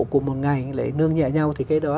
của một ngành lại nương nhẹ nhau thì cái đó